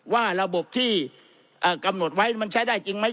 ว่าระบบที่กำหนดไว้มันใช้ได้จริงไหม